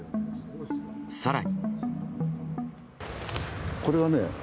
更に。